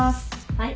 はい。